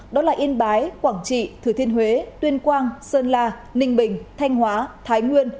đó là yên bái quảng trị thừa thiên huế tuyên quang sơn la ninh bình thanh hóa thái nguyên